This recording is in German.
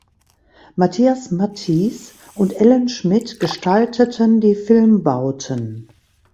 Mathias Matthies und Ellen Schmidt gestalteten die Filmbauten.